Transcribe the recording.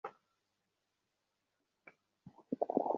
ফলে ছোট-বড় সকলকেই আমি ব্যক্তিগতভাবে চিনি।